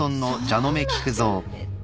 えっ？